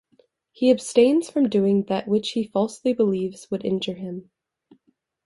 He abstains from doing that which he falsely believes would injure him.